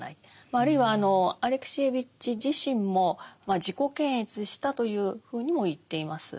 あるいはアレクシエーヴィチ自身も自己検閲したというふうにも言っています。